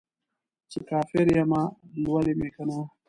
څه کافر یمه ، لولی مې کنه